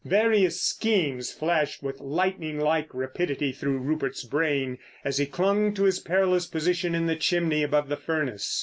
Various schemes flashed with lightning like rapidity through Rupert's brain as he clung to his perilous position in the chimney above the furnace.